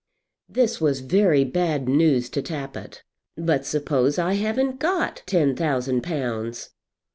This was very bad news to Tappitt. "But suppose I haven't got ten thousand pounds!"